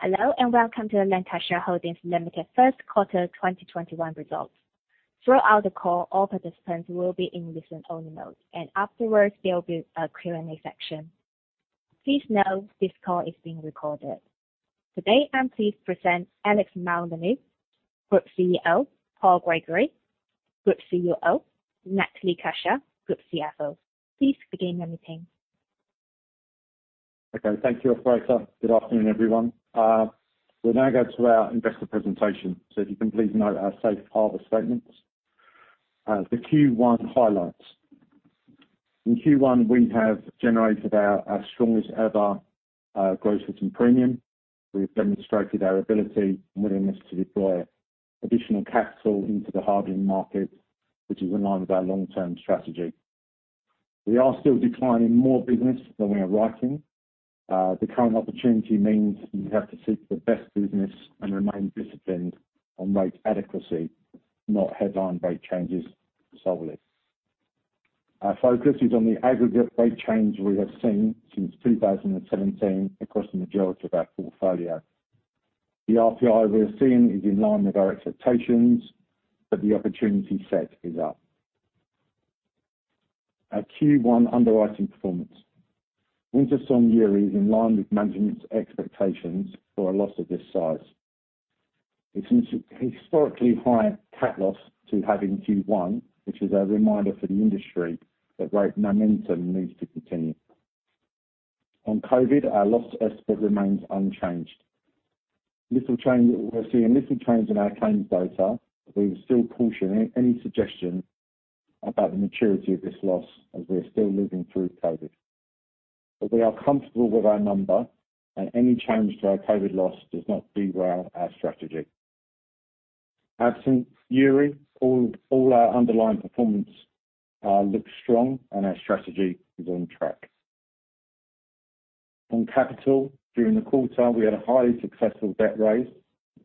Hello, and welcome to the Lancashire Holdings Limited first quarter 2021 results. Throughout the call, all participants will be in listen-only mode, and afterwards there will be a Q&A section. Please note this call is being recorded. Today, I'm pleased to present Alex Maloney, Group CEO, Paul Gregory, Group CUO, Natalie Kershaw, Group CFO. Please begin whenever you're ready. Okay. Thank you, operator. Good afternoon, everyone. We'll now go to our investor presentation. If you can please note our safe harbor statements. The Q1 highlights. In Q1, we have generated our strongest ever gross written premium. We have demonstrated our ability and willingness to deploy additional capital into the hardening market, which is in line with our long-term strategy. We are still declining more business than we are writing. The current opportunity means we have to seek the best business and remain disciplined on rate adequacy, not headline rate changes solely. Our focus is on the aggregate rate change we have seen since 2017 across the majority of our portfolio. The RPI we are seeing is in line with our expectations that the opportunity set is up. Our Q1 underwriting performance. Winter Storm Uri is in line with management's expectations for a loss of this size. It's an historically high CAT loss to have in Q1, which is a reminder for the industry that rate momentum needs to continue. On COVID, our loss estimate remains unchanged. We are seeing little change in our claims data. We still caution any suggestion about the maturity of this loss as we are still living through COVID. We are comfortable with our number, and any change to our COVID loss does not derail our strategy. Absent Uri, all our underlying performance looks strong, and our strategy is on track. On capital, during the quarter, we had a highly successful debt raise,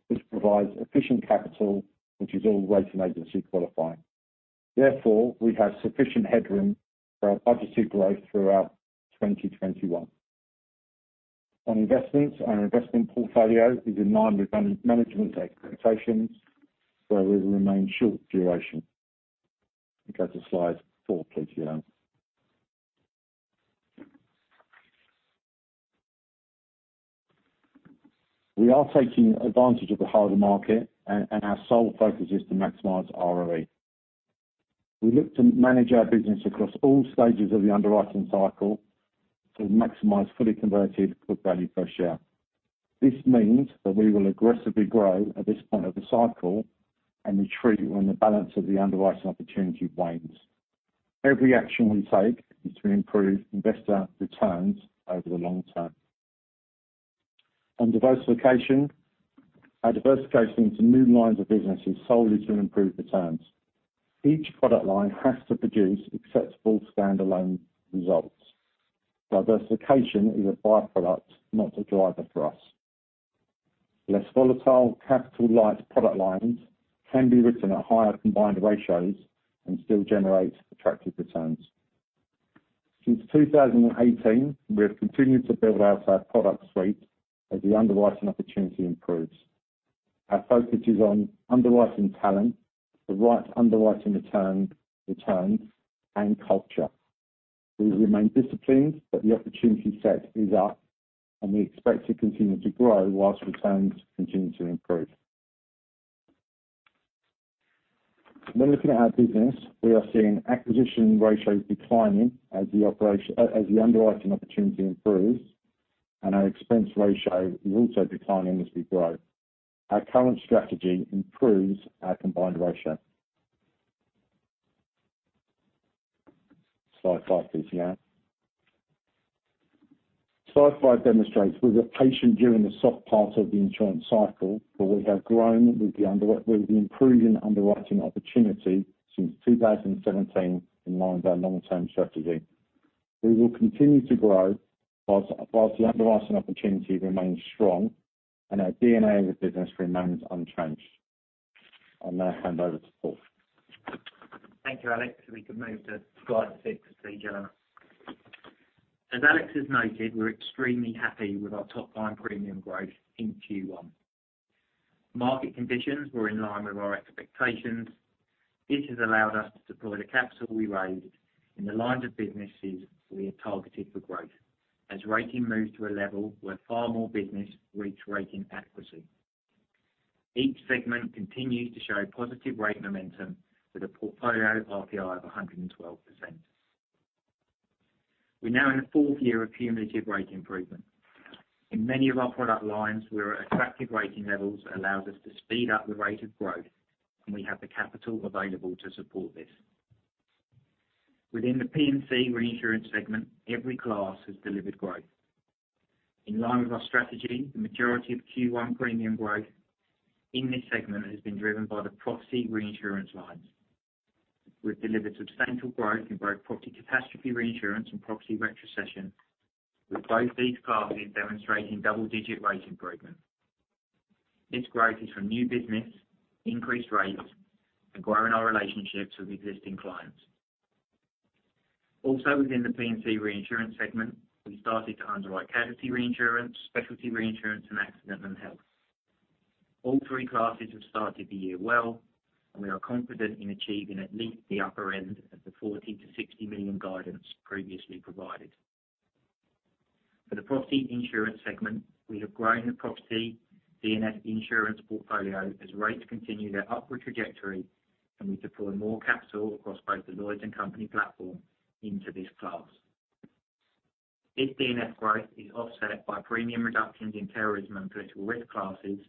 which provides efficient capital, which is all rating agency qualifying. Therefore, we have sufficient headroom for our budgeted growth throughout 2021. On investments, our investment portfolio is in line with management's expectations, where we will remain short duration. Go to slide four, please, Jan. We are taking advantage of the harder market, and our sole focus is to maximize ROE. We look to manage our business across all stages of the underwriting cycle to maximize fully converted book value per share. This means that we will aggressively grow at this point of the cycle and retreat when the balance of the underwriting opportunity wanes. Every action we take is to improve investor returns over the long term. On diversification, our diversification into new lines of business is solely to improve returns. Each product line has to produce acceptable standalone results. Diversification is a by-product, not a driver for us. Less volatile capital-light product lines can be written at higher combined ratios and still generate attractive returns. Since 2018, we have continued to build out our product suite as the underwriting opportunity improves. Our focus is on underwriting talent, the right underwriting returns, and culture. We remain disciplined that the opportunity set is up, and we expect to continue to grow whilst returns continue to improve. When looking at our business, we are seeing acquisition ratios declining as the underwriting opportunity improves, and our expense ratio is also declining as we grow. Our current strategy improves our combined ratio. Slide five, please, Jan. Slide five demonstrates we were patient during the soft part of the insurance cycle, but we have grown with the improving underwriting opportunity since 2017 in line with our long-term strategy. We will continue to grow whilst the underwriting opportunity remains strong and our DNA of the business remains unchanged. I'll now hand over to Paul. Thank you, Alex. We can move to slide six, please, Jan. As Alex has noted, we're extremely happy with our top-line premium growth in Q1. Market conditions were in line with our expectations. This has allowed us to deploy the capital we raised in the lines of businesses we have targeted for growth as rating moves to a level where far more business reach rating adequacy. Each segment continues to show positive rate momentum with a portfolio RPI of 112%. We're now in the fourth year of cumulative rate improvement. In many of our product lines, we are at attractive rating levels that allows us to speed up the rate of growth, and we have the capital available to support this. Within the P&C reinsurance segment, every class has delivered growth. In line with our strategy, the majority of Q1 premium growth in this segment has been driven by the property reinsurance lines. We've delivered substantial growth in both property catastrophe reinsurance and property retrocession, with both these classes demonstrating double-digit rate increases. This growth is from new business, increased rates, and growing our relationships with existing clients. Also within the P&C reinsurance segment, we started to underwrite casualty reinsurance, specialty reinsurance, and accident and health. All three classes have started the year well, and we are confident in achieving at least the upper end of the $40 million-$60 million guidance previously provided. For the property insurance segment, we have grown the Property D&F Insurance portfolio as rates continue their upward trajectory, and we deploy more capital across both the Lloyd's and company platform into this class. This D&F growth is offset by premium reductions in Terrorism and Political Risk classes.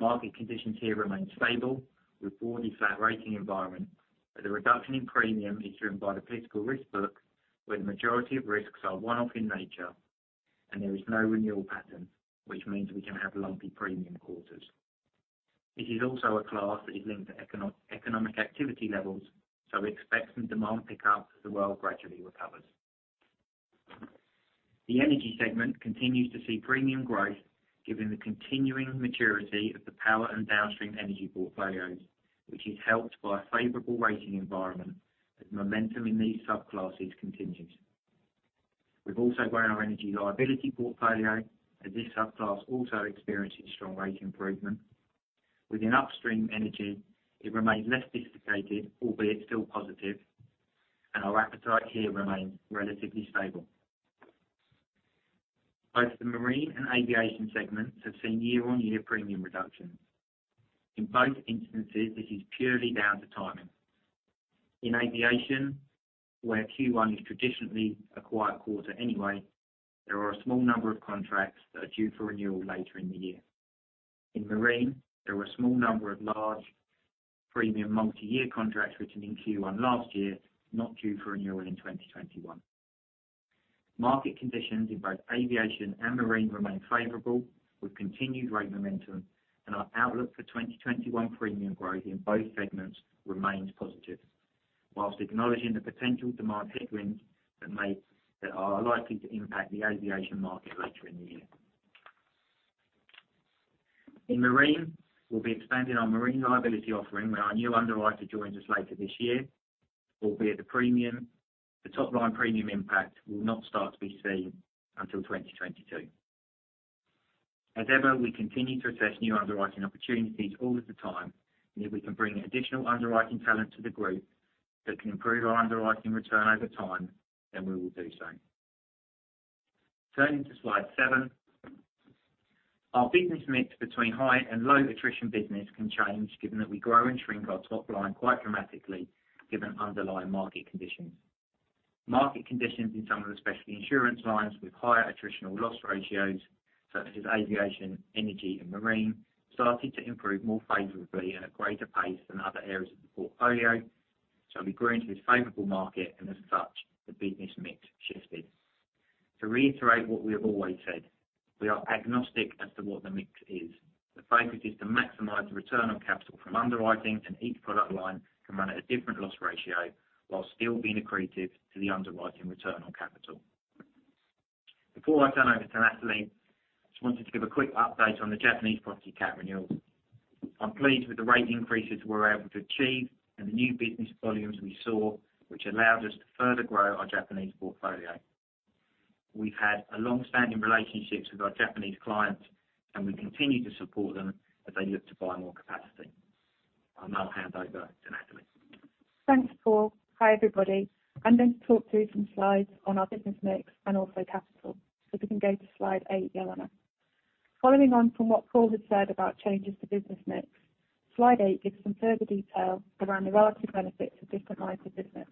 Market conditions here remain stable with broadly flat rating environment, but the reduction in premium is driven by the political risk book, where the majority of risks are one-off in nature, and there is no renewal pattern, which means we can have lumpy premium quarters. This is also a class that is linked to economic activity levels, so we expect some demand pickup as the world gradually recovers. The energy segment continues to see premium growth given the continuing maturity of the power and downstream energy portfolios, which is helped by a favorable rating environment as momentum in these subclasses continues. We've also grown our energy liability portfolio, as this subclass also experiences strong rate improvement. Within upstream energy, it remains less sophisticated, albeit still positive, and our appetite here remains relatively stable. Both the marine and aviation segments have seen year-on-year premium reductions. In both instances, this is purely down to timing. In aviation, where Q1 is traditionally a quiet quarter anyway, there are a small number of contracts that are due for renewal later in the year. In marine, there were a small number of large premium multi-year contracts written in Q1 last year, not due for renewal in 2021. Market conditions in both aviation and marine remain favorable, with continued rate momentum and our outlook for 2021 premium growth in both segments remains positive. Whilst acknowledging the potential demand headwinds that are likely to impact the aviation market later in the year. In marine, we will be expanding our marine liability offering when our new underwriter joins us later this year, albeit the top-line premium impact will not start to be seen until 2022. As ever, we continue to assess new underwriting opportunities all of the time. If we can bring additional underwriting talent to the group that can improve our underwriting return over time, then we will do so. Turning to slide seven. Our business mix between high and low attrition business can change given that we grow and shrink our top line quite dramatically given underlying market conditions. Market conditions in some of the specialty insurance lines with higher Attritional Loss Ratios, such as aviation, energy, and marine, started to improve more favorably at a greater pace than other areas of the portfolio. We grew into this favorable market. As such, the business mix shifted. To reiterate what we have always said, we are agnostic as to what the mix is. The focus is to maximize the return on capital from underwriting, and each product line can run at a different loss ratio while still being accretive to the underwriting return on capital. Before I turn over to Natalie, I just wanted to give a quick update on the Japanese property cat renewals. I'm pleased with the rate increases we were able to achieve and the new business volumes we saw, which allowed us to further grow our Japanese portfolio. We've had long-standing relationships with our Japanese clients, and we continue to support them as they look to buy more capacity. I'll now hand over to Natalie. Thanks, Paul. Hi, everybody. I'm going to talk through some slides on our business mix and also capital. If we can go to slide eight, Joanna. Following on from what Paul has said about changes to business mix, slide eight gives some further detail around the relative benefits of different lines of business.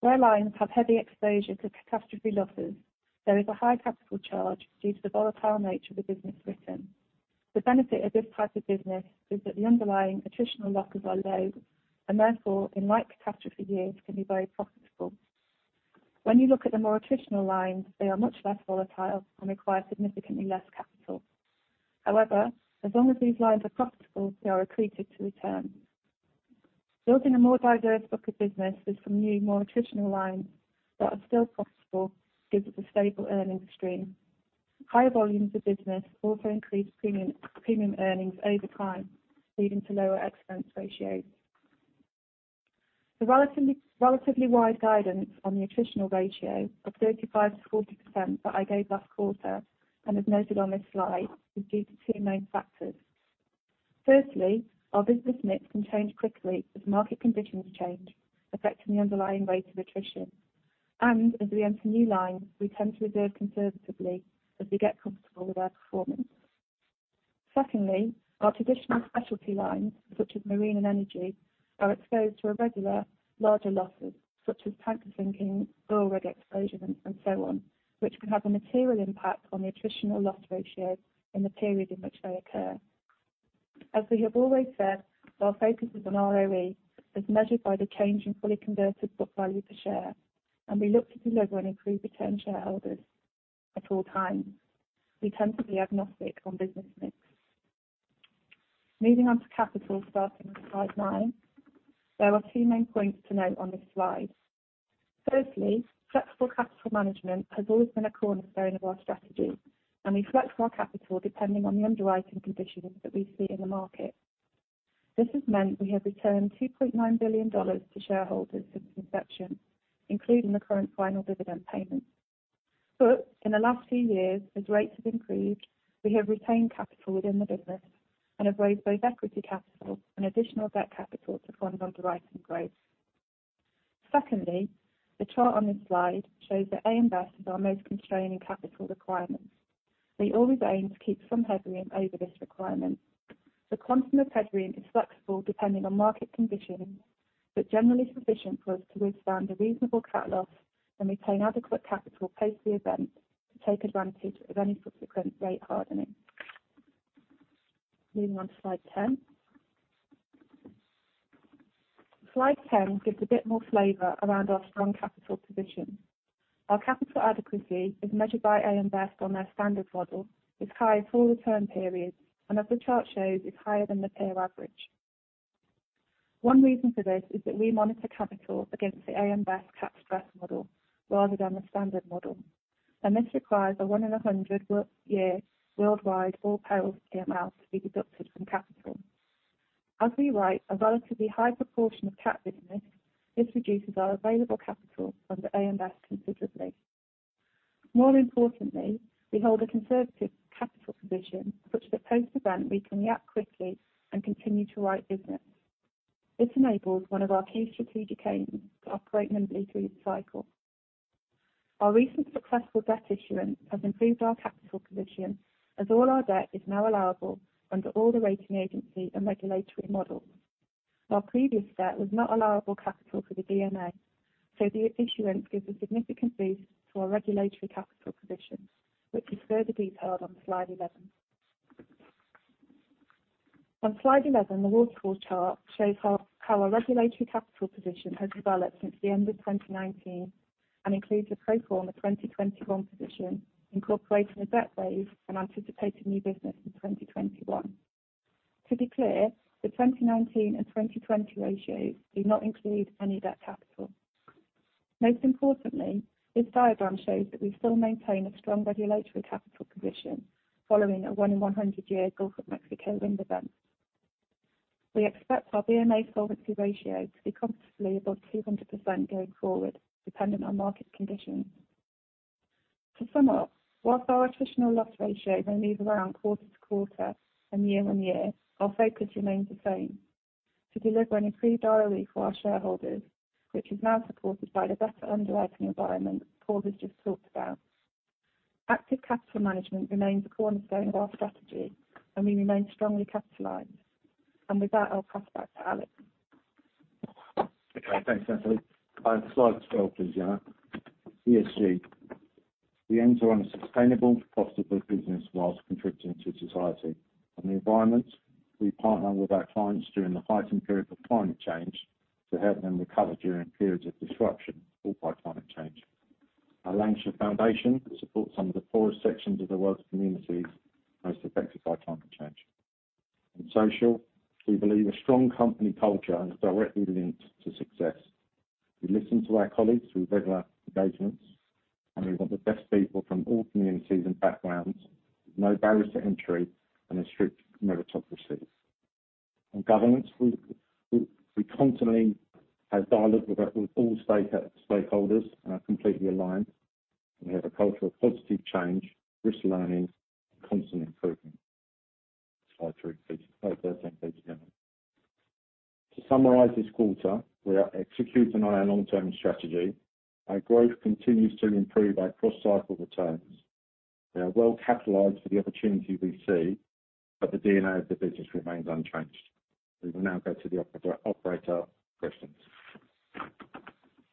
Where lines have heavy exposure to catastrophe losses, there is a high capital charge due to the volatile nature of the business written. The benefit of this type of business is that the underlying attritional losses are low, and therefore in light catastrophe years can be very profitable. When you look at the more attritional lines, they are much less volatile and require significantly less capital. As long as these lines are profitable, they are accretive to return. Building a more diverse book of business with some new, more attritional lines that are still profitable gives us a stable earnings stream. Higher volumes of business also increase premium earnings over time, leading to lower expense ratios. The relatively wide guidance on the attritional ratio of 35%-40% that I gave last quarter and have noted on this slide is due to two main factors. Firstly, our business mix can change quickly as market conditions change, affecting the underlying rate of attrition. As we enter new lines, we tend to reserve conservatively as we get comfortable with our performance. Secondly, our traditional specialty lines such as marine and energy are exposed to irregular larger losses such as tanker sinking, oil rig explosions, and so on, which can have a material impact on the Attritional Loss Ratio in the period in which they occur. As we have always said, our focus is on ROE as measured by the change in fully converted book value per share, and we look to deliver and improve return to shareholders at all times. We tend to be agnostic on business mix. Moving on to capital, starting on slide nine. There are two main points to note on this slide. Firstly, flexible capital management has always been a cornerstone of our strategy, and we flex our capital depending on the underwriting conditions that we see in the market. This has meant we have returned $2.9 billion to shareholders since inception, including the current final dividend payment. In the last few years, as rates have increased, we have retained capital within the business and have raised both equity capital and additional debt capital to fund underwriting growth. The chart on this slide shows that AM Best is our most constraining capital requirement. We always aim to keep some headroom over this requirement. The quantum of headroom is flexible depending on market conditions, but generally sufficient for us to withstand a reasonable cat loss and retain adequate capital post the event to take advantage of any subsequent rate hardening. Moving on to slide 10. Slide 10 gives a bit more flavor around our strong capital position. Our capital adequacy, as measured by AM Best on their standard model, is high for all return periods and as the chart shows, is higher than the peer average. One reason for this is that we monitor capital against the AM Best cat stress model rather than the standard model, and this requires a one in 100 year worldwide all perils PML to be deducted from capital. As we write a relatively high proportion of CAT business, this reduces our available capital under AM Best considerably. More importantly, we hold a conservative capital position such that post-event, we can react quickly and continue to write business. This enables one of our key strategic aims to operate nimbly through the cycle. Our recent successful debt issuance has improved our capital position as all our debt is now allowable under all the rating agency and regulatory models. Our previous debt was not allowable capital for the BMA, so the issuance gives a significant boost to our regulatory capital position, which is further detailed on slide 11. On slide 11, the waterfall chart shows how our regulatory capital position has developed since the end of 2019 and includes a pro forma 2021 position incorporating the debt raise and anticipated new business in 2021. To be clear, the 2019 and 2020 ratios do not include any debt capital. Most importantly, this diagram shows that we still maintain a strong regulatory capital position following a one in 100 year Gulf of Mexico wind event. We expect our BMA solvency ratio to be comfortably above 200% going forward, depending on market conditions. To sum up, whilst our attritional loss ratio may move around quarter to quarter and year on year, our focus remains the same, to deliver an agreed ROE for our shareholders, which is now supported by the better underwriting environment Paul has just talked about. Active capital management remains a cornerstone of our strategy, and we remain strongly capitalized. With that, I'll pass back to Alex. Okay, thanks, Natalie. Slide 12 please, Jana. ESG. We aim to run a sustainable profitable business while contributing to society and the environment. We partner with our clients during the heightened period of climate change to help them recover during periods of disruption caused by climate change. The Lancashire Foundation supports some of the poorest sections of the world's communities most affected by climate change. In social, we believe a strong company culture is directly linked to success. We listen to our colleagues through regular engagements. We want the best people from all communities and backgrounds, with no barriers to entry and a strict meritocracy. On governance, we constantly have dialogue with all stakeholders and are completely aligned. We have a culture of positive change, risk learning, and constant improvement. Slide 13 please, Jana. To summarize this quarter, we are executing on our long-term strategy. Our growth continues to improve our cross-cycle returns. We are well capitalized for the opportunity we see, but the DNA of the business remains unchanged. We will now go to the operator for questions.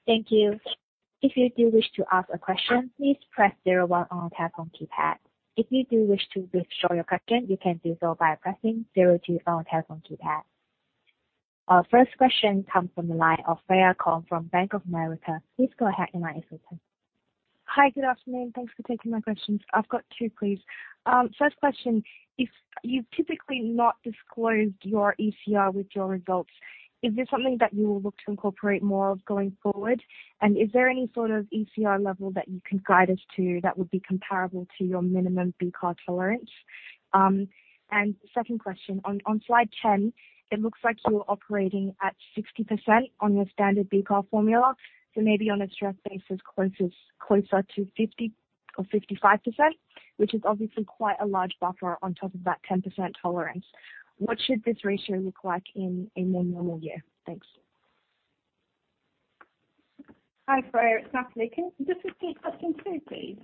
Thank you. If you do wish to ask a question, please press zero one on your telephone keypad. If you do wish to withdraw your question, you can do so by pressing zero two on your telephone keypad. Our first question comes from the line of Freya Kong from Bank of America. Please go ahead, and I'll switch in. Hi. Good afternoon. Thanks for taking my questions. I've got two, please. First question, you've typically not disclosed your ECR with your results. Is this something that you will look to incorporate more of going forward? Is there any sort of ECR level that you can guide us to that would be comparable to your minimum BCAR tolerance? Second question, on slide 10, it looks like you're operating at 60% on your standard BCAR formula. Maybe on a stress basis, closer to 50% or 55%, which is obviously quite a large buffer on top of that 10% tolerance. What should this ratio look like in a more normal year? Thanks. Hi, Freya. It's Natalie. Can you just repeat question two, please?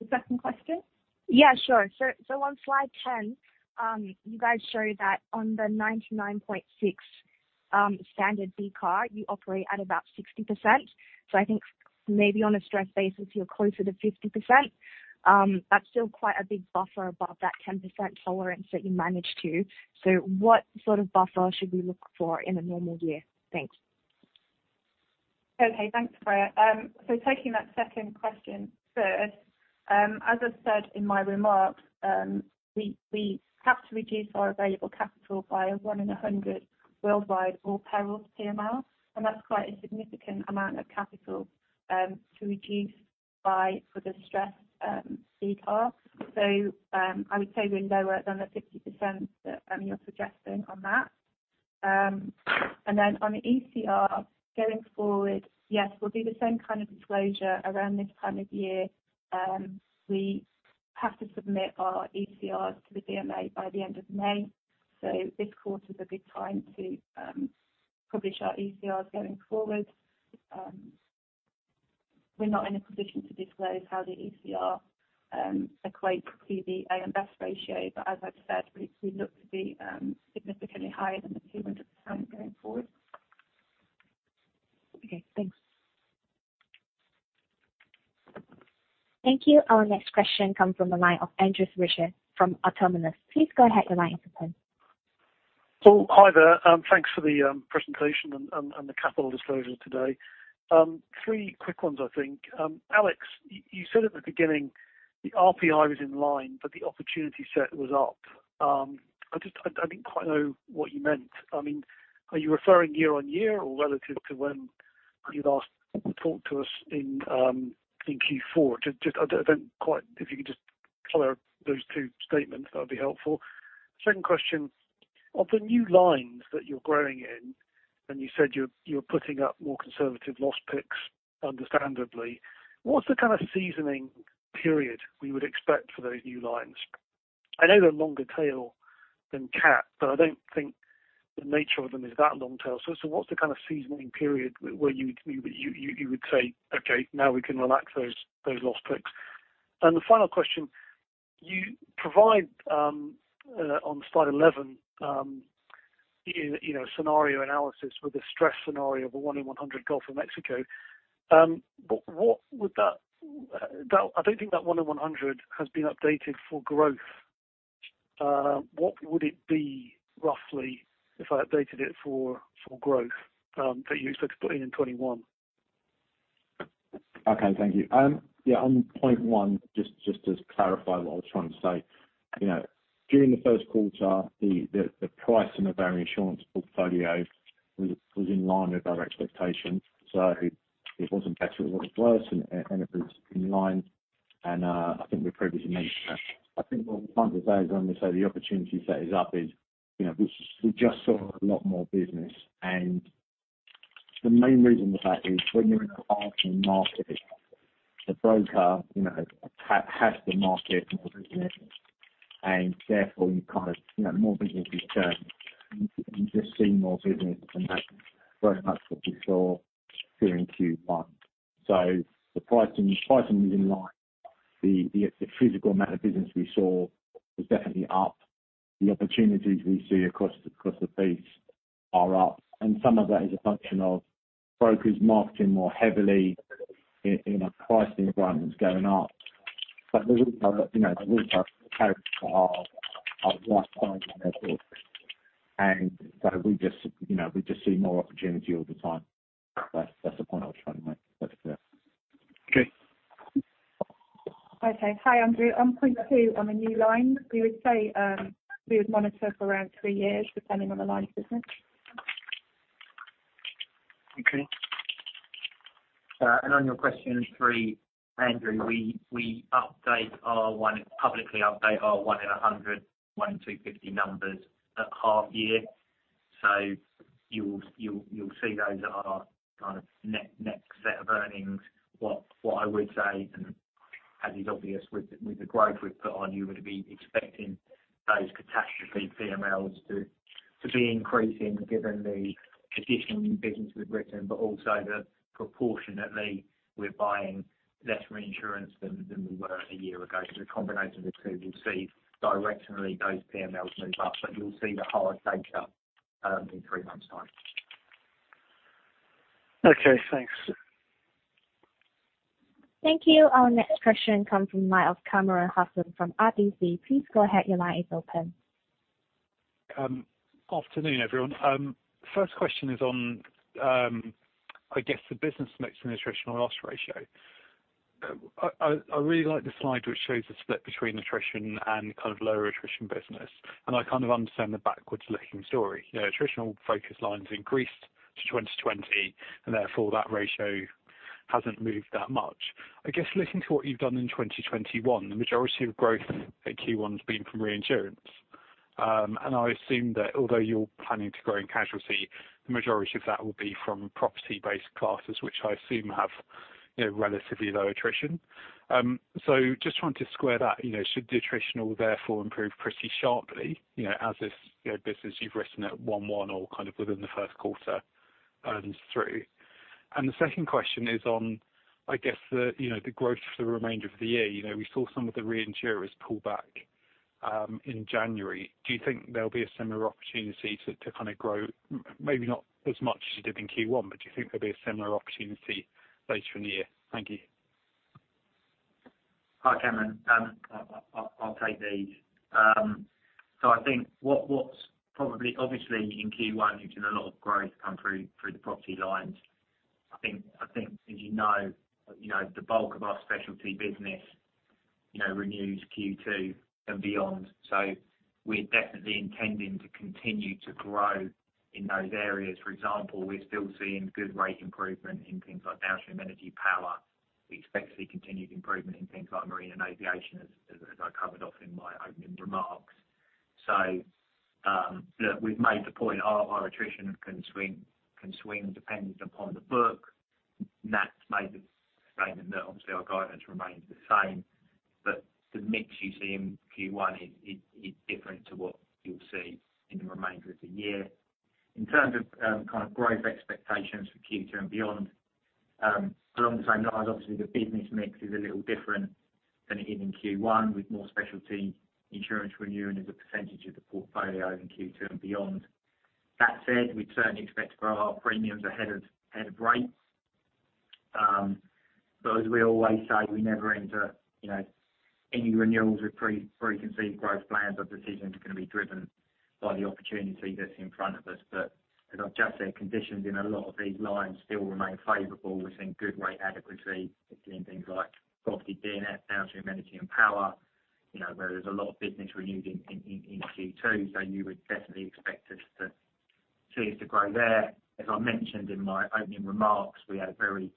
The second question. Yeah, sure. On slide 10, you guys show that on the 99.6 standard BCAR, you operate at about 60%. I think maybe on a stress basis, you're closer to 50%. That's still quite a big buffer above that 10% tolerance that you manage to. What sort of buffer should we look for in a normal year? Thanks. Okay, thanks, Freya. Taking that second question first, as I said in my remarks, we have to reduce our available capital by a one in 100 worldwide all perils PML, and that's quite a significant amount of capital to reduce by for the stress BCAR. I would say we're lower than the 50% that you're suggesting on that. On the ECR going forward, yes, we'll do the same kind of disclosure around this time of year. We have to submit our ECRs to the CMA by the end of May, this quarter is a good time to publish our ECRs going forward. We're not in a position to disclose how the ECR equates to the AMS ratio. As I've said, we look to be significantly higher than the 200 going forward. Okay, thanks. Thank you. Our next question comes from the line of Andrew Richard from Autonomous. Please go ahead. Hi there. Thanks for the presentation and the capital disclosure today. Three quick ones, I think. Alex, you said at the beginning the RPI was in line, but the opportunity set was up. I didn't quite know what you meant. Are you referring year-over-year or relative to when you last talked to us in Q4? If you could just color those two statements, that would be helpful. Second question, of the new lines that you're growing in, and you said you're putting up more conservative loss picks, understandably. What's the kind of seasoning period we would expect for those new lines? I know they're longer tail than CAT, but I don't think the nature of them is that long tail. What's the kind of seasoning period where you would say, "Okay, now we can relax those loss picks." The final question, you provide on slide 11 scenario analysis with a stress scenario of a one in 100 Gulf of Mexico. I don't think that 1 in 100 has been updated for growth. What would it be roughly if I updated it for growth that you expect to put in in 2021? Okay, thank you. Yeah, on point one, just to clarify what I was trying to say. During the first quarter, the pricing of our insurance portfolio was in line with our expectations. It wasn't better or worse, and it was in line. I think we previously mentioned that. I think what we're trying to say is when we say the opportunity set is up is we just saw a lot more business. The main reason for that is when you're in a hardening market, the broker has to market more business, and therefore you have more business to turn. You just see more business than perhaps what we saw during Q1. The pricing was in line. The physical amount of business we saw was definitely up. The opportunities we see across the piece are up, and some of that is a function of brokers marketing more heavily in a pricing environment that's going up. The roots are right-sized and therefore, and so we just see more opportunity all the time. That's the point I was trying to make. That's it. Okay. Okay. Hi, Andrew. On point two on the new lines, we would say we would monitor for around three years, depending on the line of business. Okay. On your question three, Andrew, we publicly update our one in 100, one in 250 numbers at half year. You'll see those at our next set of earnings. What I would say, and as is obvious with the growth we've put on, you would be expecting those catastrophe PMLs to be increasing given the additional new business we've written, but also that proportionately we're buying less reinsurance than we were a year ago. The combination of the two, you'll see directionally those PMLs move up, but you'll see the whole estate up in three months' time. Okay, thanks. Thank you. Our next question comes from the line of Kamran Hossain from RBC. Please go ahead. Your line is open. Afternoon, everyone. First question is on, I guess the business mix and attritional loss ratio. I really like the slide which shows the split between attrition and lower attrition business. I kind of understand the backwards-looking story. Attritional focus lines increased to 2020, therefore that ratio hasn't moved that much. I guess looking to what you've done in 2021, the majority of growth at Q1 has been from reinsurance. I assume that although you're planning to grow in casualty, the majority of that will be from property-based classes, which I assume have relatively low attrition. Just trying to square that. Should the attrition therefore improve pretty sharply as this business you've written at 1/1 or within the first quarter earns through? The second question is on, I guess, the growth for the remainder of the year. We saw some of the reinsurers pull back in January. Do you think there'll be a similar opportunity to grow, maybe not as much as you did in Q1, but do you think there'll be a similar opportunity later in the year? Thank you. Hi, Kamran. I'll take these. I think what's probably obviously in Q1, we've seen a lot of growth come through the property lines. I think, as you know, the bulk of our specialty business renews Q2 and beyond. We're definitely intending to continue to grow in those areas. For example, we're still seeing good rate improvement in things like downstream energy power. We expect to see continued improvement in things like marine and aviation, as I covered off in my opening remarks. Look, we've made the point our attrition can swing dependent upon the book. Natalie made the statement that obviously our guidance remains the same. The mix you see in Q1 is different to what you'll see in the remainder of the year. In terms of growth expectations for Q2 and beyond. Along the same lines, obviously the business mix is a little different than it is in Q1, with more specialty insurance renewing as a percentage of the portfolio in Q2 and beyond. That said, we certainly expect to grow our premiums ahead of rates. As we always say, we never enter any renewals with preconceived growth plans. Our decisions are going to be driven by the opportunity that's in front of us. As I've just said, conditions in a lot of these lines still remain favorable. We're seeing good rate adequacy, particularly in things like Property D&F, Downstream Energy and power, where there's a lot of business renewed in Q2. You would definitely expect us to grow there. As I mentioned in my opening remarks, we had a very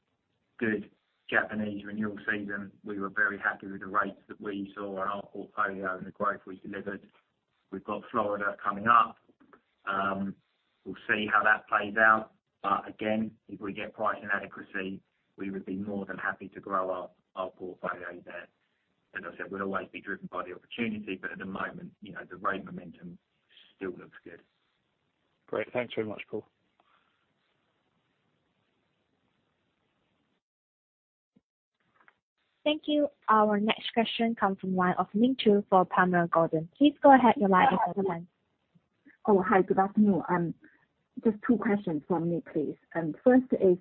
good Japanese renewal season. We were very happy with the rates that we saw on our portfolio and the growth we delivered. We've got Florida coming up. We'll see how that plays out. Again, if we get pricing adequacy, we would be more than happy to grow our portfolio there. As I said, we'll always be driven by the opportunity. At the moment, the rate momentum still looks good. Great. Thanks very much, Paul. Thank you. Our next question comes from the line of Ming Zhu for Panmure Gordon. Please go ahead. Your line is open. Oh, hi. Good afternoon. Just two questions from me, please. First is,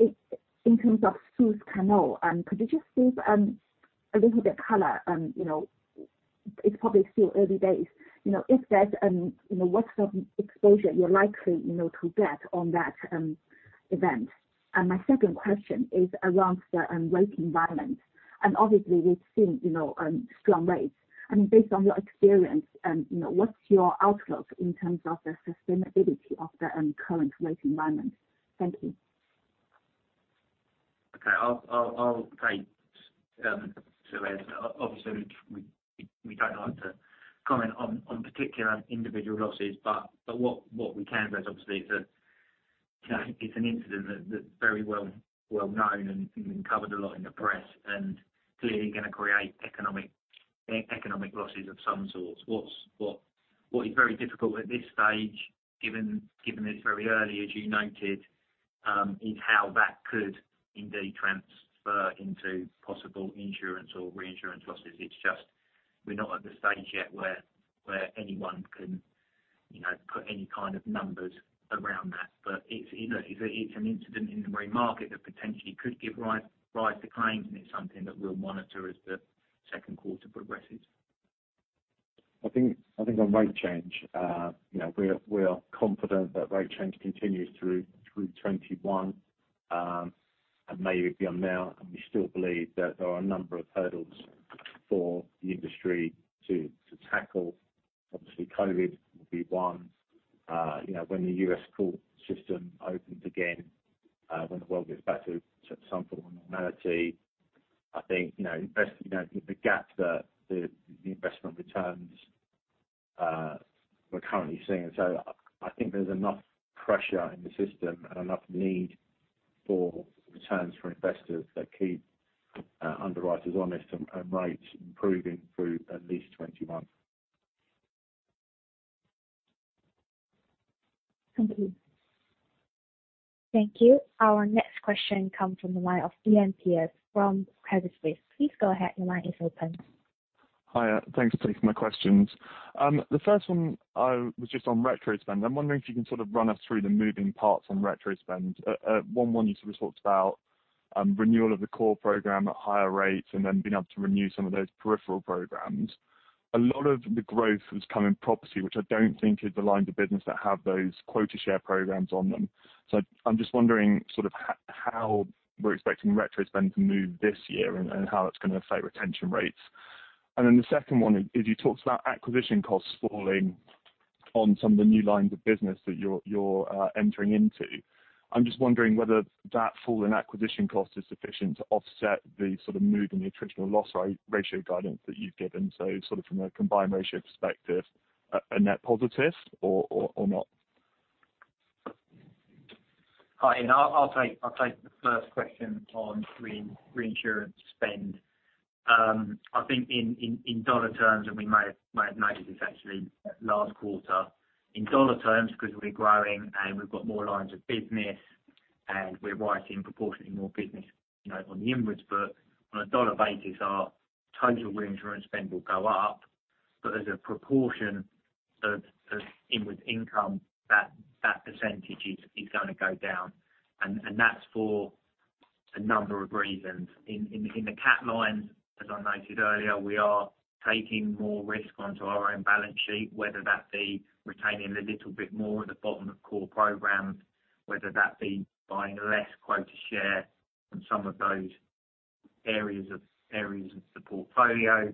in terms of Suez Canal, could you just give a little bit color on. It's probably still early days. What sort of exposure you're likely to get on that event? My second question is around the rate environment. Obviously we've seen strong rates. Based on your experience, what's your outlook in terms of the sustainability of the current rate environment? Thank you. Okay. I'll take two. Obviously, we don't like to comment on particular individual losses, what we can say is obviously it's an incident that's very well known and been covered a lot in the press, and clearly going to create economic losses of some sort. What is very difficult at this stage, given it's very early, as you noted, is how that could indeed transfer into possible insurance or reinsurance losses. It's just we're not at the stage yet where anyone can put any kind of numbers around that. It's an incident in the marine market that potentially could give rise to claims, and it's something that we'll monitor as the second quarter progresses. I think on rate change, we are confident that rate change continues through 2021, and maybe beyond now. We still believe that there are a number of hurdles for the industry to tackle. Obviously, COVID will be one. When the U.S. court system opens again, when the world gets back to some form of normality, I think, the gap that the investment returns we're currently seeing. I think there's enough pressure in the system and enough need for returns for investors that keep underwriters honest and rates improving through at least 2021. Thank you. Thank you. Our next question comes from the line of Iain Pearce from Credit Suisse. Hi. Thanks for taking my questions. The first one was just on retro spend. I'm wondering if you can sort of run us through the moving parts on retro spend. At one point you sort of talked about renewal of the core program at higher rates and then being able to renew some of those peripheral programs. A lot of the growth has come in property, which I don't think is the line of business that have those quota share programs on them. I'm just wondering sort of how we're expecting retro spend to move this year and how it's going to affect retention rates. The second one is you talked about acquisition costs falling on some of the new lines of business that you're entering into. I'm just wondering whether that fall in acquisition cost is sufficient to offset the sort of mood in the attritional loss ratio guidance that you've given. Sort of from a combined ratio perspective, a net positive or not? Iain, I'll take the first question on reinsurance spend. I think in dollar terms, we might have noted this actually last quarter. In dollar terms, because we're growing and we've got more lines of business, and we're writing proportionately more business on the inwards book on a dollar basis, our total reinsurance spend will go up, but as a proportion of inwards income, that % is going to go down. That's for a number of reasons. In the CAT lines, as I noted earlier, we are taking more risk onto our own balance sheet, whether that be retaining a little bit more at the bottom of core programs, whether that be buying less Quota Share on some of those areas of the portfolio,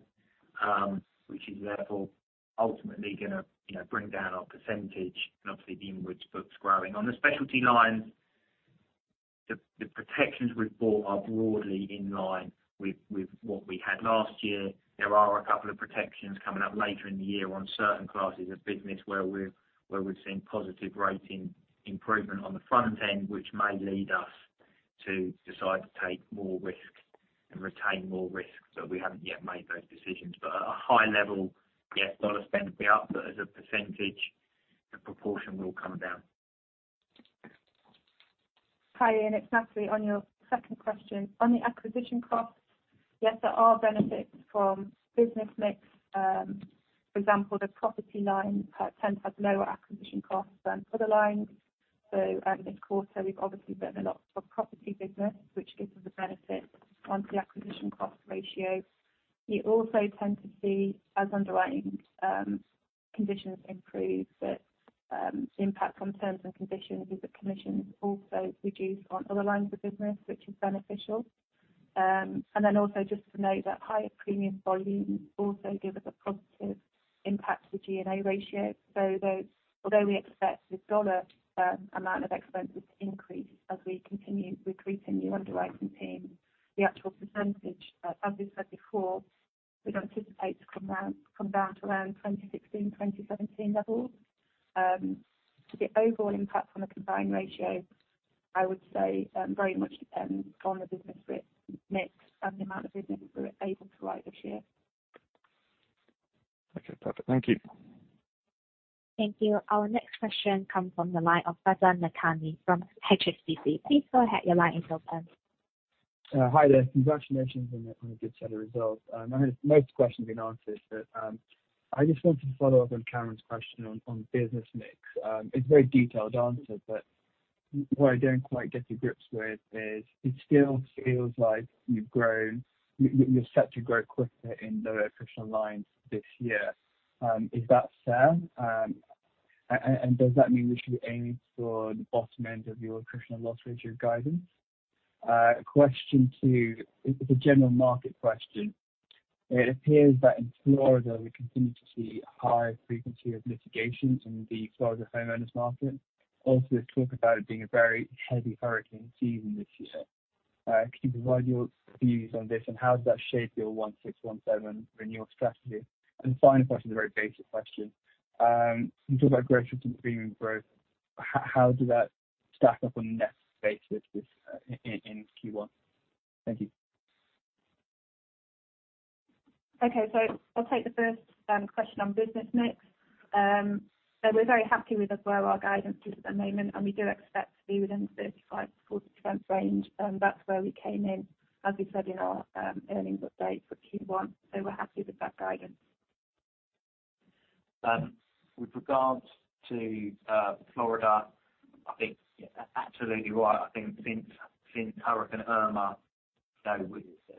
which is therefore ultimately going to bring down our % and obviously the inwards books growing. On the specialty lines, the protections we've bought are broadly in line with what we had last year. There are a couple of protections coming up later in the year on certain classes of business where we're seeing positive rating improvement on the front end, which may lead us to decide to take more risk and retain more risk. We haven't yet made those decisions. At a high level, yes, dollar spend will be up, but as a percentage, the proportion will come down. Hi, Iain. It's Natalie. On your second question, on the acquisition costs, yes, there are benefits from business mix. For example, the property lines tend to have lower acquisition costs than other lines. This quarter, we've obviously written a lot of property business, which gives us a benefit on the acquisition cost ratio. You also tend to see as underwriting conditions improve, that impact on terms and conditions is that commissions also reduce on other lines of business, which is beneficial. Also just to note that higher premium volumes also give us a positive impact to G&A ratio. Although we expect the dollar amount of expenses to increase as we continue recruiting new underwriting teams, the actual percentage, as we said before, we'd anticipate to come down to around 2016, 2017 levels. To the overall impact on the combined ratio, I would say very much depends on the business mix and the amount of business we're able to write this year. Okay, perfect. Thank you. Thank you. Our next question comes from the line of Farzan Nakani from HSBC. Please go ahead. Your line is open. Hi there. Congratulations on the good set of results. Most questions have been answered, but I just wanted to follow up on Kamran's question on business mix. It's a very detailed answer, but what I don't quite get to grips with is it still feels like you've set to grow quicker in lower attritional lines this year. Is that fair? Does that mean we should be aiming for the bottom end of your attritional loss ratio guidance? Question two, it's a general market question. It appears that in Florida, we continue to see high frequency of litigations in the Florida homeowners market. Also, there's talk about it being a very heavy hurricane season this year. Can you provide your views on this, and how does that shape your 1/6, 1/7 renewal strategy? The final question is a very basic question. You talk about growth rates and premium growth. How did that stack up on a net basis in Q1? Thank you. Okay. I'll take the first question on business mix. We're very happy with where our guidance is at the moment, and we do expect to be within the 35%-40% range. That's where we came in, as we said in our earnings update for Q1. We're happy with that guidance. With regards to Florida, I think you're absolutely right. I think since Hurricane Irma, a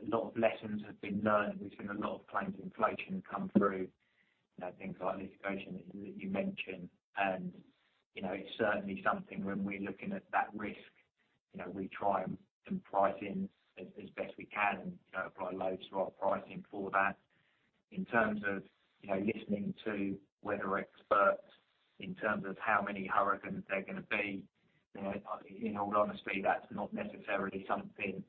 lot of lessons have been learned. We've seen a lot of claims inflation come through. Things like litigation that you mentioned. It's certainly something when we're looking at that risk, we try and price in as best we can and apply loads to our pricing for that. In terms of listening to weather experts in terms of how many hurricanes there are going to be, in all honesty, that's not necessarily something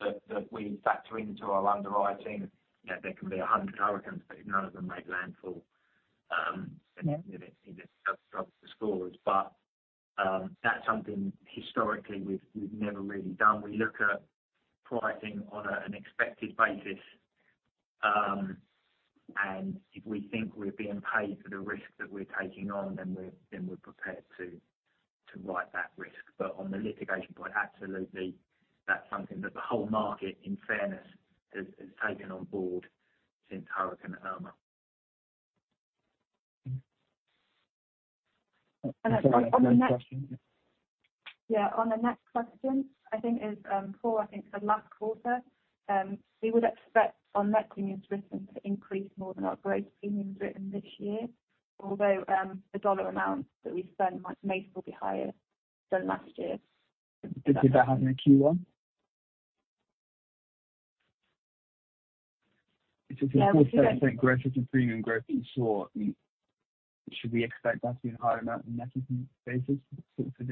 that we factor into our underwriting. There can be 100 hurricanes, but if none of them make landfall, then it's obviously just up the scores. That's something historically we've never really done. We look at pricing on an expected basis. If we think we're being paid for the risk that we're taking on, then we're prepared to write that risk. On the litigation point, absolutely, that's something that the whole market, in fairness, has taken on board since Hurricane Irma. Sorry, one more question. Yeah. On the next question, I think as Paul, I think said last quarter, we would expect our net premiums written to increase more than our gross premiums written this year, although the dollar amounts that we spend may still be higher than last year. Did that happen in Q1? Yeah. If it's a 4% growth rate and premium growth in short, should we expect that to be a higher amount than net premium basis for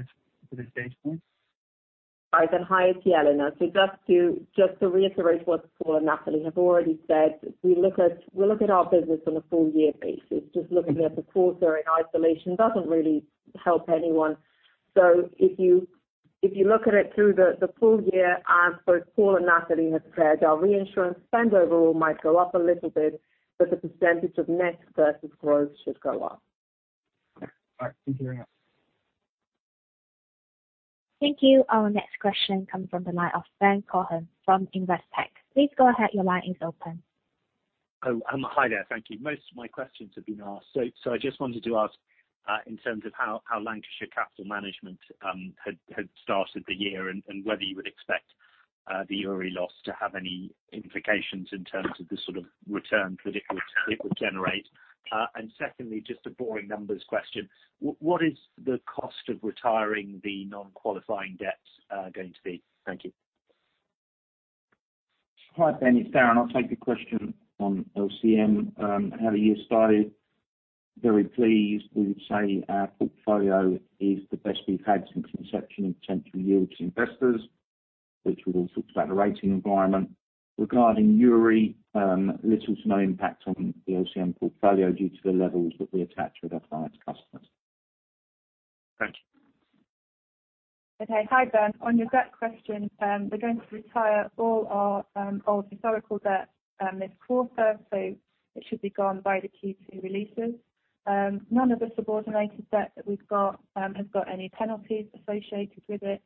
this data point? Hi, it's Elena. Just to reiterate what Paul and Natalie have already said, we look at our business on a full year basis. Just looking at the quarter in isolation doesn't really help anyone. If you look at it through the full year, as both Paul and Natalie have said, our reinsurance spend overall might go up a little bit, but the percentage of net versus growth should go up. All right. Thank you very much. Thank you. Our next question comes from the line of Ben Cohen from Investec. Please go ahead. Your line is open. Hi there. Thank you. Most of my questions have been asked. I just wanted to ask in terms of how Lancashire Capital Management had started the year and whether you would expect the URI loss to have any implications in terms of the sort of returns that it would generate? Secondly, just a boring numbers question. What is the cost of retiring the non-qualifying debts going to be? Thank you. Hi, Ben. It's Darren. I'll take the question on LCM. How the year started, very pleased. We would say our portfolio is the best we've had since inception in potential yield to investors, which we've all talked about the rating environment. Regarding URI, little to no impact on the LCM portfolio due to the levels that we attach with our clients' customers. Thank you. Okay. Hi, Ben. On your debt question, we're going to retire all our old historical debt this quarter. It should be gone by the Q2 releases. None of the subordinated debt that we've got has got any penalties associated with it.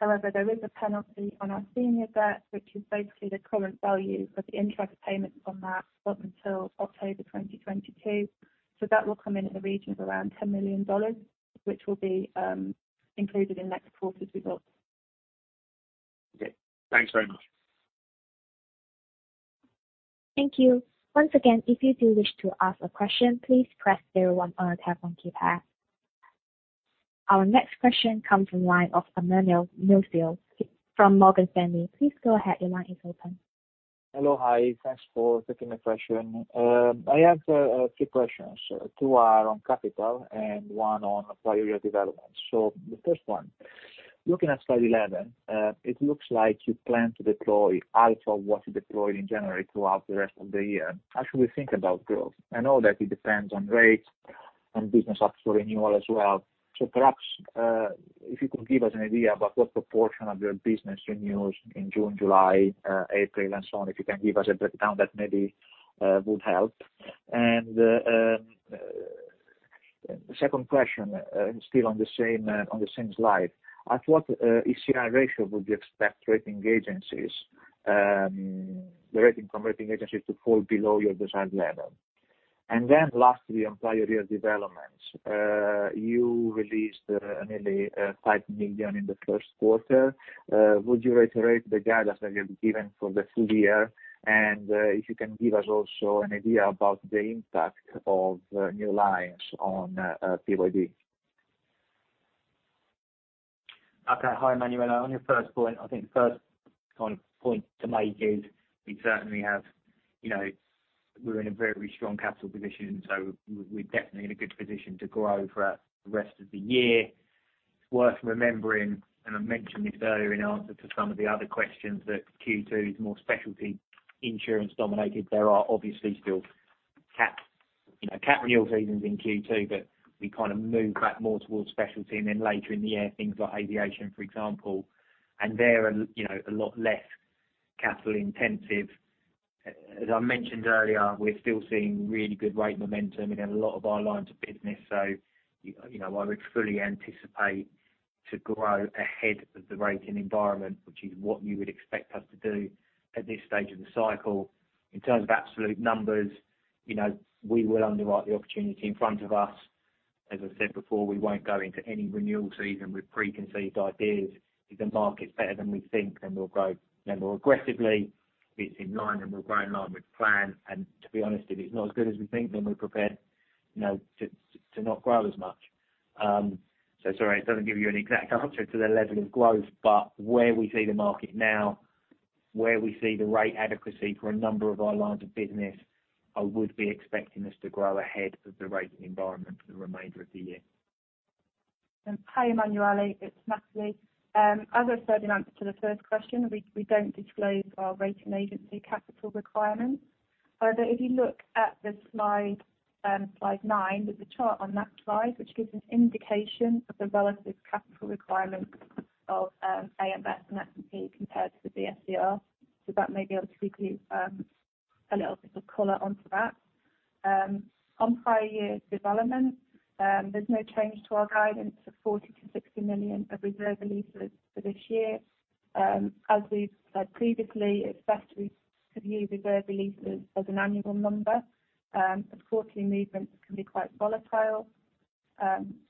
There is a penalty on our senior debt, which is basically the current value of the interest payments on that up until October 2022. That will come in in the region of around $10 million, which will be included in next quarter's results. Okay. Thanks very much. Thank you. Once again, if you do wish to ask a question, please press zero one on your telephone keypad. Our next question comes from the line of Emmanuel Millfield from Morgan Stanley. Please go ahead. Your line is open. Hello. Hi. Thanks for taking my question. I have three questions. Two are on capital and one on prior year development. The first one, looking at slide 11, it looks like you plan to deploy out of what you deployed in January throughout the rest of the year. How should we think about growth? I know that it depends on rates and business up for renewal as well. Perhaps, if you could give us an idea about what proportion of your business renews in June, July, April, and so on. If you can give us a breakdown that maybe would help. The second question, still on the same slide. At what ECR ratio would you expect the rating from rating agencies to fall below your desired level? Lastly, on prior year developments. You released nearly $5 million in the first quarter. Would you reiterate the guidance that you've given for the full year? If you can give us also an idea about the impact of new lines on PYD. Okay. Hi, Emmanuel. On your first point, I think the first point to make is we're in a very strong capital position, so we're definitely in a good position to grow for the rest of the year. It's worth remembering, and I mentioned this earlier in answer to some of the other questions, that Q2 is more specialty insurance dominated. There are obviously still CAT renewal seasons in Q2, but we kind of move back more towards specialty. Later in the year, things like aviation, for example. They're a lot less capital intensive. As I mentioned earlier, we're still seeing really good rate momentum in a lot of our lines of business. I would fully anticipate to grow ahead of the rating environment, which is what you would expect us to do at this stage of the cycle. In terms of absolute numbers, we will underwrite the opportunity in front of us. As I said before, we won't go into any renewal season with preconceived ideas. If the market's better than we think, then we'll grow more aggressively. If it's in line, then we'll grow in line with plan. To be honest, if it's not as good as we think, then we're prepared to not grow as much. Sorry, it doesn't give you an exact answer to the level of growth, but where we see the market now, where we see the rate adequacy for a number of our lines of business, I would be expecting us to grow ahead of the rating environment for the remainder of the year. Hi, Emmanuel. It's Natalie. As I said in answer to the first question, we don't disclose our rating agency capital requirements. If you look at the slide nine, there's a chart on that slide which gives an indication of the relative capital requirements of AM Best and S&P compared to the BSCR. That may be able to give you a little bit of color onto that. On prior year developments, there's no change to our guidance of $40 million-$60 million of reserve releases for this year. As we've said previously, it's best we could view reserve releases as an annual number, as quarterly movements can be quite volatile.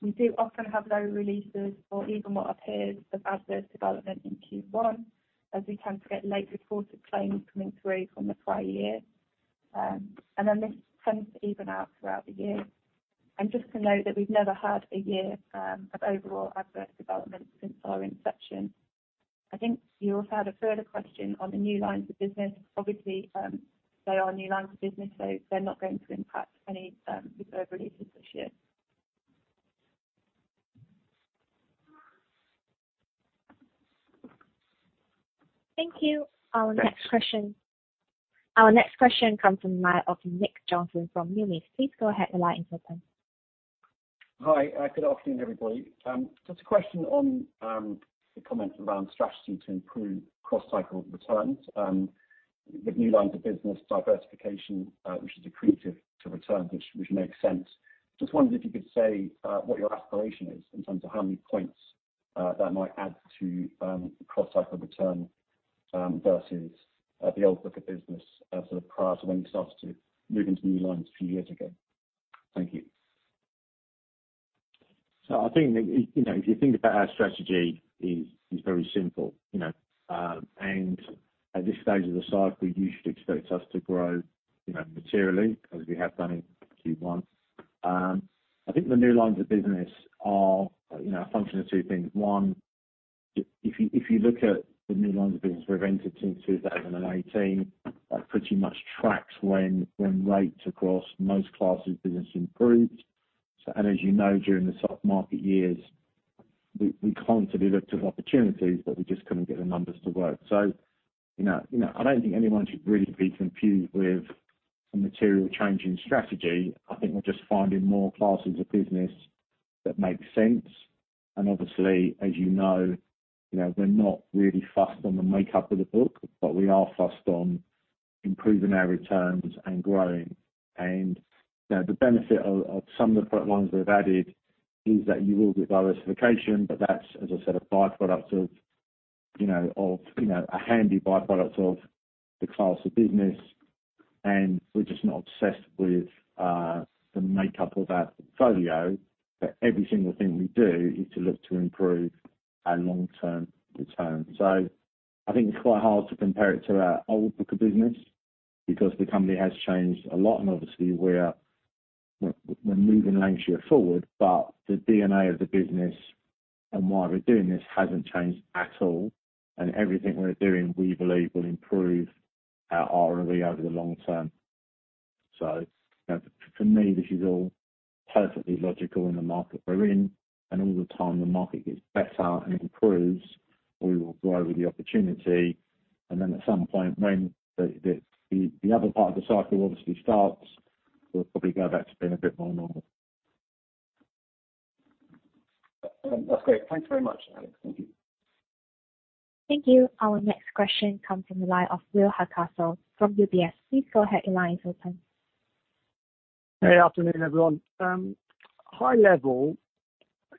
We do often have low releases or even what appears as adverse development in Q1, as we tend to get late reported claims coming through from the prior year. This tends to even out throughout the year. Just to note that we've never had a year of overall adverse development since our inception. I think you also had a further question on the new lines of business. Obviously, they are new lines of business, so they're not going to impact any reserve releases this year. Thank you. Our next question comes from the line of Nick Johnson from Numis. Please go ahead. Your line is open. Hi, good afternoon, everybody. Just a question on the comments around strategy to improve cross-cycle returns. With new lines of business diversification, which is accretive to return, which makes sense. Just wondered if you could say what your aspiration is in terms of how many points that might add to the cross cycle return versus the old book of business prior to when you started to move into new lines a few years ago. Thank you. I think if you think about our strategy is very simple. At this stage of the cycle, you should expect us to grow materially as we have done in Q1. I think the new lines of business are a function of two things. One, if you look at the new lines of business we've entered since 2018, that pretty much tracks when rates across most classes of business improved. As you know, during the soft market years, we constantly looked at opportunities, but we just couldn't get the numbers to work. I don't think anyone should really be confused with a material change in strategy. I think we're just finding more classes of business that make sense. Obviously, as you know, we're not really fussed on the makeup of the book, but we are fussed on improving our returns and growing. The benefit of some of the front lines we've added is that you will get diversification, but that's, as I said, a handy by-product of the class of business, and we're just not obsessed with the makeup of that portfolio. Every single thing we do is to look to improve our long-term return. I think it's quite hard to compare it to our old book of business because the company has changed a lot, obviously we're moving Lancashire forward, but the DNA of the business and why we're doing this hasn't changed at all. Everything we're doing, we believe will improve our ROE over the long term. For me, this is all perfectly logical in the market we're in. All the time the market gets better and improves, we will grow with the opportunity. At some point, when the other part of the cycle obviously starts, we'll probably go back to being a bit more normal. That's great. Thanks very much, Alex. Thank you. Thank you. Our next question comes from the line of Will Hardcastle from UBS. Please go ahead. Your line is open. Hey, afternoon, everyone. High level,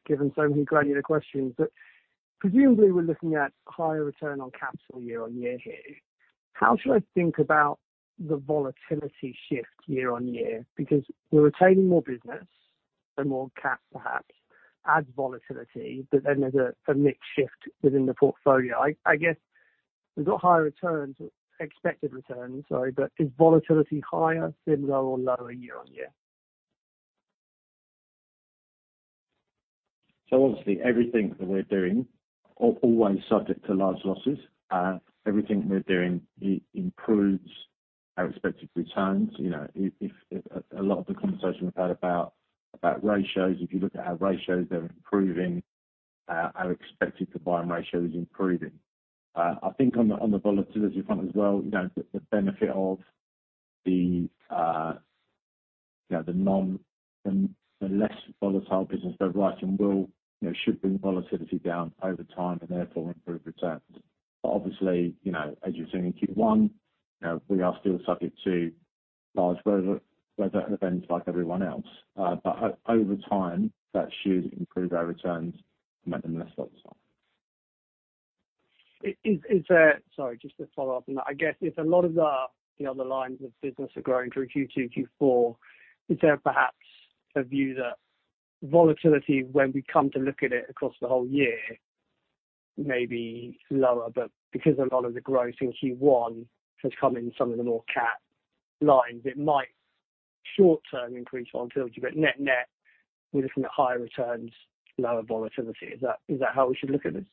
given so many granular questions, but presumably we're looking at higher return on capital year-on-year here. How should I think about the volatility shift year-on-year? We're retaining more business, so more CAP perhaps adds volatility, but then there's a mix shift within the portfolio. I guess we've got higher returns, expected returns, sorry, but is volatility higher, similar, or lower year-on-year? Obviously everything that we're doing always subject to large losses. Everything we're doing improves our expected returns. A lot of the conversation we've had about ratios, if you look at our ratios, they're improving. Our expected combined ratio is improving. I think on the volatility front as well, the benefit of the less volatile business we're writing should bring volatility down over time and therefore improve returns. Obviously, as you've seen in Q1, we are still subject to large weather events like everyone else. Over time, that should improve our returns and make them less volatile. Sorry, just to follow up on that. I guess if a lot of the other lines of business are growing through Q2, Q4, is there perhaps a view that volatility when we come to look at it across the whole year may be lower, but because a lot of the growth in Q1 has come in some of the more CAT lines, it might short term increase volatility, but net net, we're looking at higher returns, lower volatility. Is that how we should look at this?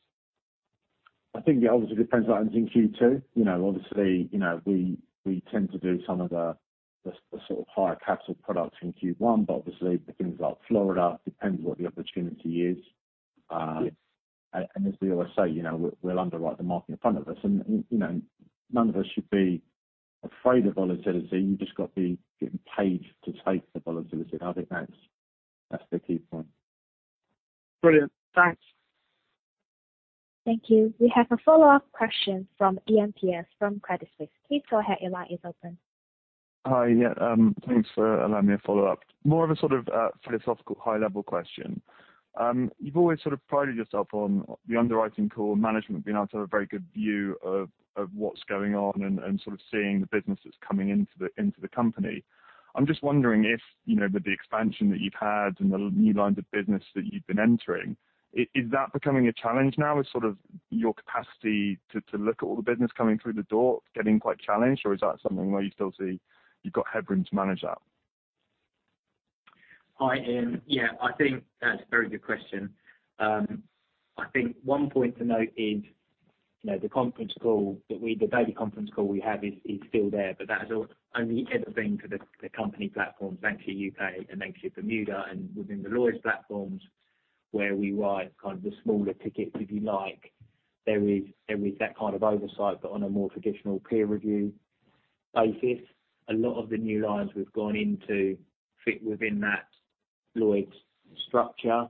I think it obviously depends what happens in Q2. Obviously, we tend to do some of the sort of higher capital products in Q1, but obviously for things like Florida, it depends what the opportunity is. Yes. As we always say, we'll underwrite the market in front of us. None of us should be afraid of volatility. You just got to be getting paid to take the volatility. I think that's the key point. Brilliant. Thanks. Thank you. We have a follow-up question from Iain Pearce from Credit Suisse. Please go ahead. Your line is open. Hi. Yeah. Thanks for allowing me a follow-up. More of a sort of philosophical, high-level question. You've always sort of prided yourself on the underwriting core management being able to have a very good view of what's going on and sort of seeing the businesses coming into the company. I'm just wondering if with the expansion that you've had and the new lines of business that you've been entering, is that becoming a challenge now with sort of your capacity to look at all the business coming through the door getting quite challenged, or is that something where you still see you've got headroom to manage that? Hi, Iain. Yeah, I think that is a very good question. I think one point to note is the daily conference call we have is still there, but that has only ever been to the company platforms, mainly U.K. and mainly Bermuda, and within the Lloyd's platforms where we write kind of the smaller tickets, if you like. There is that kind of oversight, but on a more traditional peer review basis. A lot of the new lines we have gone into fit within that Lloyd's structure.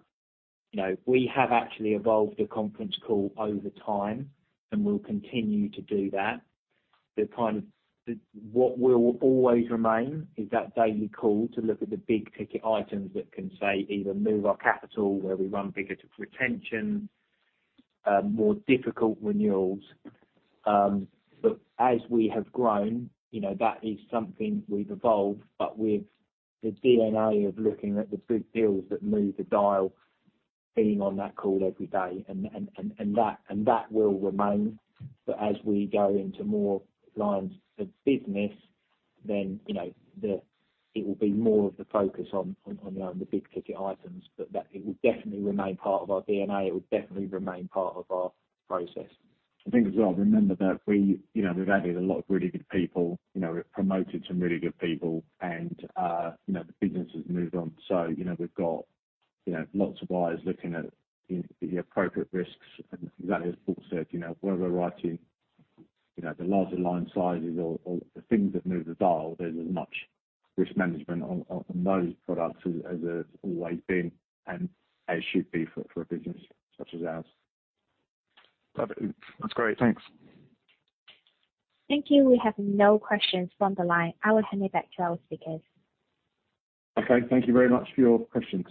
We have actually evolved a conference call over time, and we will continue to do that. What will always remain is that daily call to look at the big ticket items that can, say, either move our capital where we run bigger to retention, more difficult renewals. As we have grown, that is something we've evolved, but with the DNA of looking at the big deals that move the dial, being on that call every day, and that will remain. As we go into more lines of business, then it will be more of the focus on the big ticket items. It will definitely remain part of our DNA. It will definitely remain part of our process. I think as well, remember that we've added a lot of really good people. We've promoted some really good people, and the business has moved on. We've got lots of buyers looking at the appropriate risks. Exactly as Paul said, where we're writing the larger line sizes or the things that move the dial, there's as much risk management on those products as there's always been, and as should be for a business such as ours. Lovely. That's great. Thanks. Thank you. We have no questions from the line. I will hand it back to our speakers. Okay. Thank you very much for your questions.